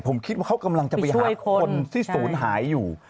ผมคิดว่าเขากำลังจะไปหาคนที่ศูนย์หายอยู่